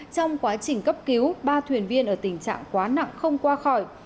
trong quá trình cấp cứu ba thuyền viên ở tình trạng quá nặng không qua khỏi